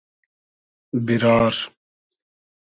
بیرار